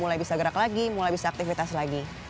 mulai bisa gerak lagi mulai bisa aktivitas lagi